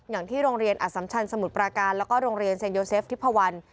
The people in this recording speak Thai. อย่างที่โรงเรียนอสัมชันสมุทรปราการแล้วก็โรงเรียนเซ็นโยเซฟทิพวัน